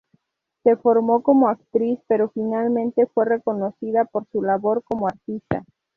Se formó como actriz pero finalmente fue reconocida por su labor como artista.